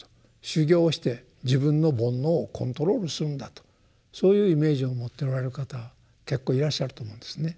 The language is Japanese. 修行して自分の煩悩をコントロールするんだとそういうイメージを持っておられる方結構いらっしゃると思うんですね。